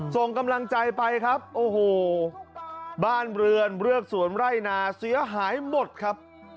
ส่งกำลังใจไปครับโอ้โหบ้านเรือนเรือกสวนไร่นาเสียหายหมดครับ